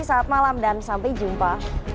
selamat malam dan sampai jumpa